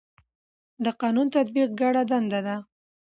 د قانون تطبیق ګډه دنده ده